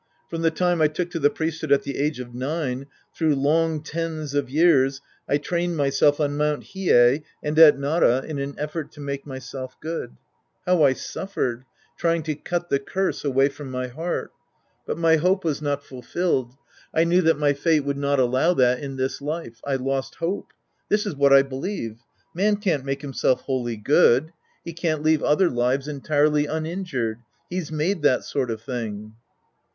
From the time I took to the priesthood at the age of nine, through long tens of years, I trained myself on Mt. Hiei and at Nara in an effort to make myself good. How I suffered, try ing to cut the curse away from my heart ! But my Sc. II The Priest and His Disciples 49 hope was not fulfilled. I knew that my fate would not allow that in this life. I lost hope. This is what I believe. Man can't make himself wholly good. He can't leave other lives entirely uninjured.' He's made that sort of thing.